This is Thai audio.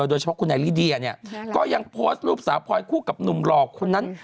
โดยเฉพาะคุณไอลิเดียเนี่ยก็ยังโพสต์รูปสาวพลอยคู่กับหนุ่มหลอกคนนั้น